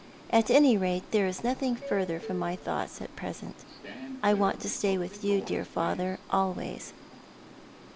" At any rate, there is nothing further from my thoughts at present. I want to stay with you, dear father— always."